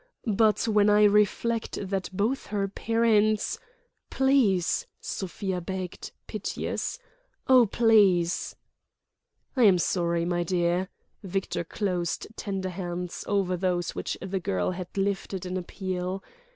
But when I reflect that both her parents—" "Please!" Sofia begged, piteous. "Oh, please!" "I am sorry, my dear." Victor closed tender hands over those which the girl had lifted in appeal.